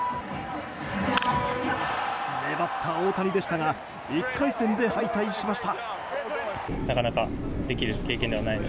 粘った大谷でしたが１回戦で敗退しました。